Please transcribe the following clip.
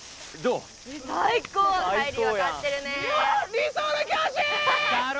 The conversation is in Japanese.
理想の教師！だろ？